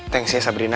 thanks ya sabrina